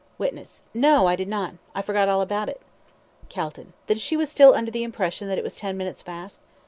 WITNESS: No, I did not; I forgot all about it. CALTON: Then she was still under the impression that it was ten minutes fast?